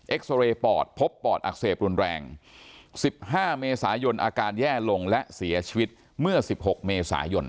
ซอเรย์ปอดพบปอดอักเสบรุนแรง๑๕เมษายนอาการแย่ลงและเสียชีวิตเมื่อ๑๖เมษายน